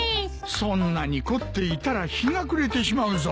そんなに凝っていたら日が暮れてしまうぞ。